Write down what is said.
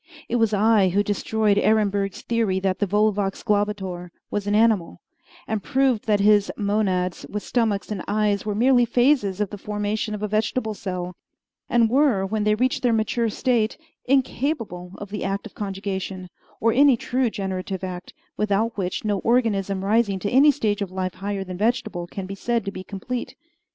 It was I who destroyed Ehrenberg's theory that the Volvox globator was an animal, and proved that his "monads" with stomachs and eyes were merely phases of the formation of a vegetable cell, and were, when they reached their mature state, incapable of the act of conjugation, or any true generative act, without which no organism rising to any stage of life higher than vegetable can be said to be complete.